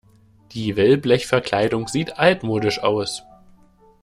Die Wellblechverkleidung sieht altmodisch aus.